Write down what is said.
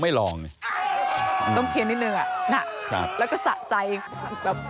มันกลมไปเลยแล้วก็มุ่นออกมา